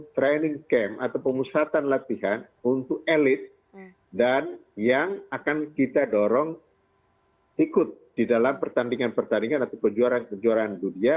training camp atau pemusatan latihan untuk elit dan yang akan kita dorong ikut di dalam pertandingan pertandingan atau kejuaraan kejuaraan dunia